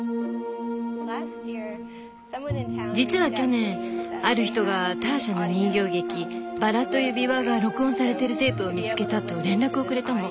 実は去年ある人がターシャの人形劇「バラと指輪」が録音されているテープを見つけたと連絡をくれたの。